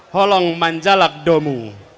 holong manjalak domu